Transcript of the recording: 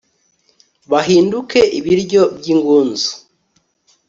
bahinduke ibiryo by'ingunzu